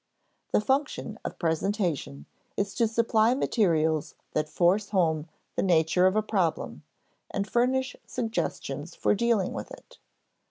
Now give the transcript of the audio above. The function of presentation is to supply materials that force home the nature of a problem and furnish suggestions for dealing with it.